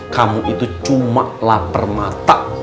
kamu itu cuma lapar mata